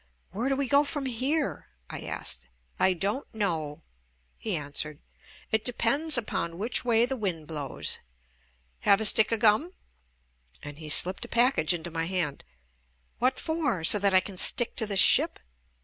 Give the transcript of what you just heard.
"Where do we go from here?" I asked. "I don't know," he answered. "It depends upon which way the wind blows." "Have a stick of gum?" And he slipped a package into my hand. "What for? So that I can stick to the ship